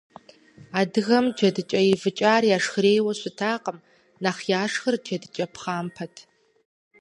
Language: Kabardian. Адыгэхэм джэдыкӏэ ивыкӏар яшхырейуэ щытакъым, нэхъ яшхыр джэдыкӏэ пхъампэт.